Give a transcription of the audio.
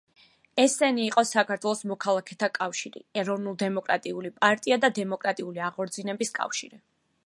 ესენი იყო საქართველოს მოქალაქეთა კავშირი, ეროვნულ-დემოკრატიული პარტია და დემოკრატიული აღორძინების კავშირი.